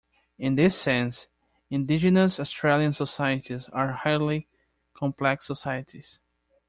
In this sense, Indigenous Australian societies are highly complex societies.